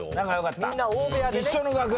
みんな大部屋でね。